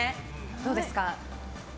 どうですか。